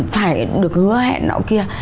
phải được hứa hẹn nào kia